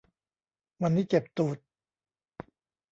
วันนี้เจ็บตูด